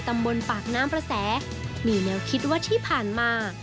ตำบลปากน้ำประแสมีแนวคิดว่าที่ผ่านมา